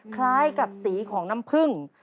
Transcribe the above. คล้ายกับสีของน้ำผึ้ง